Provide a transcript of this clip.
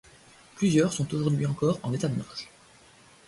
Plusieurs sont aujourd'hui encore en état de marche.